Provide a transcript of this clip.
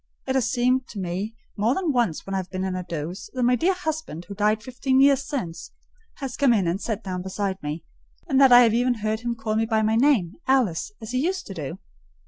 It has seemed to me more than once when I have been in a doze, that my dear husband, who died fifteen years since, has come in and sat down beside me; and that I have even heard him call me by my name, Alice, as he used to do.